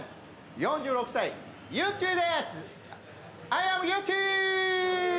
４６歳、ゆってぃです！